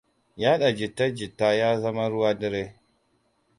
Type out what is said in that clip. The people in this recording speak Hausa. Yaɗa jita-jita ya zama ruwa dare.